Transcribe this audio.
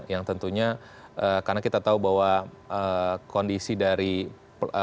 yang tentunya karena kita tahu bahwa kondisi dari perusahaan